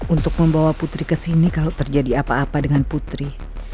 untuk membawa putri kesini kalo terjadi apa apa dengan putri